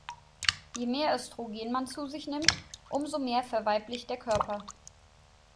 Je mehr Östrogen man zu sich nimmt, umso mehr verweiblicht der Körper.